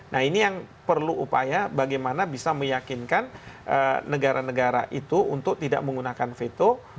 nah ini yang perlu upaya bagaimana bisa meyakinkan negara negara itu untuk tidak menggunakan veto